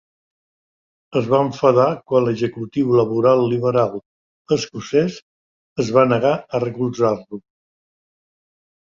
Es va enfadar quan l'executiu laboral-liberal escocès es va negar a recolzar-lo.